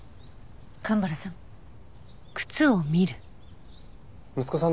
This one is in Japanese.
蒲原さん。